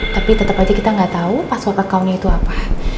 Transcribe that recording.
tapi tetep aja kita gak tau password accountnya itu apa